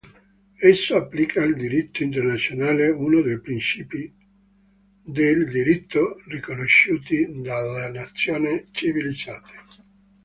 Essa applica al diritto internazionale uno dei principi del diritto riconosciuti dalle nazioni civilizzate.